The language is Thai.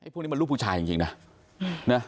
พวกนี้มันลูกผู้ชายจริงนะ